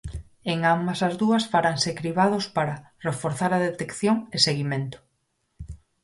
En ambas as dúas faranse cribados para "reforzar a detección e seguimento".